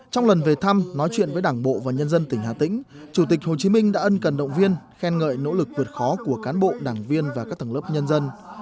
trong lần về thăm nói chuyện với đảng bộ và nhân dân tỉnh hà tĩnh chủ tịch hồ chí minh đã ân cần động viên khen ngợi nỗ lực vượt khó của cán bộ đảng viên và các tầng lớp nhân dân